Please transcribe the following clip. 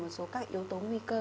một số các yếu tố nguy cơ